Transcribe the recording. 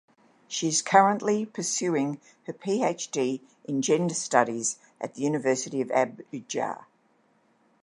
She is currently pursuing her PhD in Gender Studies at the University of Abuja.